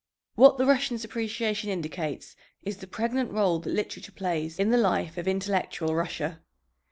What the Russian's appreciation indicates is the pregnant role that literature plays in the life of intellectual Russia.